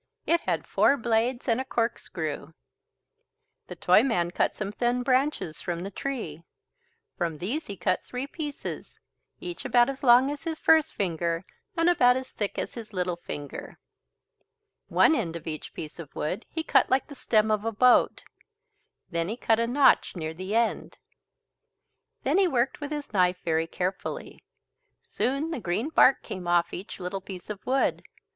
It had four blades and a corkscrew. The Toyman cut some thin branches from the tree. From these he cut three pieces, each about as long as his first finger and about as thick as his little finger. One end of each piece of wood he cut like the stern of a boat, then he cut a notch near the end. Then he worked with his knife very carefully. Soon the green bark came off each little piece of wood.